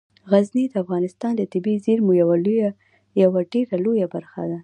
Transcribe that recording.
غزني د افغانستان د طبیعي زیرمو یوه ډیره لویه برخه ده.